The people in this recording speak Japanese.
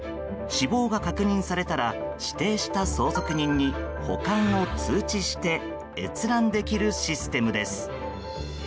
死亡が確認されたら指定した相続人に保管を通知して閲覧できるシステムです。